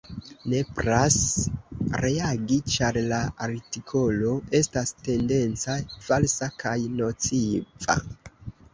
Nepras reagi, ĉar la artikolo estas tendenca, falsa kaj nociva.